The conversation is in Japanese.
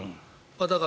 だから、